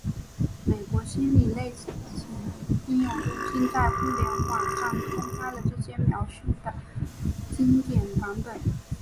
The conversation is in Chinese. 美国心理类型应用中心在互联网上公开了这些描述的精简版本。